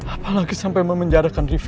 apalagi sampai memenjadakan riefki